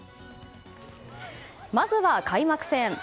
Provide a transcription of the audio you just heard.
まずは開幕戦。